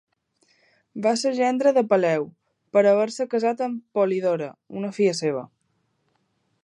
Va ser gendre de Peleu, per haver-se casat amb Polidora, una filla seva.